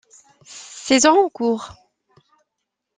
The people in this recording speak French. Saison en cours.